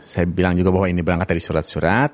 saya bilang juga bahwa ini berangkat dari surat surat